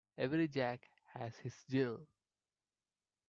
Every Jack has his Jill